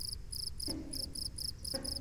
তিন সপ্তাহ পর, তাহের চাচাকে কবর দেয়া হয়।